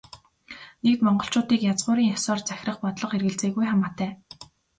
Нэгд, монголчуудыг язгуурын ёсоор захирах бодлого эргэлзээгүй хамаатай.